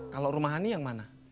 kalau rumah ani yang mana